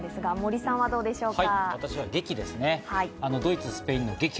森さんはどうでしょうか？